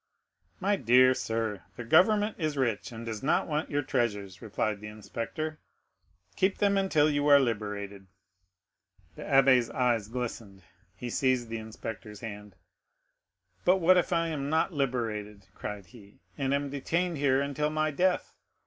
"My dear sir, the government is rich and does not want your treasures," replied the inspector; "keep them until you are liberated." The abbé's eyes glistened; he seized the inspector's hand. "But what if I am not liberated," cried he, "and am detained here until my death?